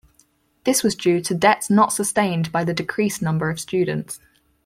This was due to debts not sustained by the decreased number of students.